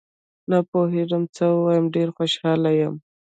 نه پوهېږم څه ووایم، ډېر خوشحال یم